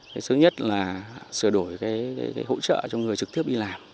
thứ nhất là sửa đổi cái hỗ trợ cho người trực tiếp đi làm